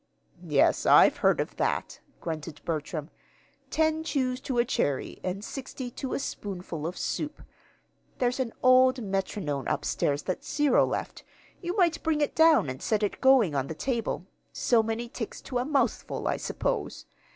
"Yes, I've heard of that," grunted Bertram; "ten chews to a cherry, and sixty to a spoonful of soup. There's an old metronome up stairs that Cyril left. You might bring it down and set it going on the table so many ticks to a mouthful, I suppose.